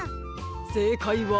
せいかいは。